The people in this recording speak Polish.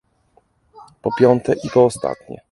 Po piąte i ostatnie